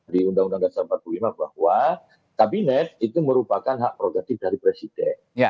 di undang undang dasar empat puluh lima bahwa kabinet itu merupakan hak prerogatif dari presiden